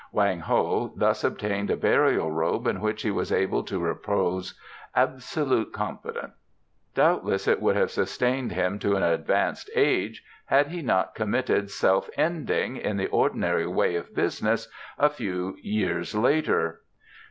Wang Ho thus obtained a burial robe in which he was able to repose absolute confidence. Doubtless it would have sustained him to an advanced age had he not committed self ending, in the ordinary way of business, a few years later.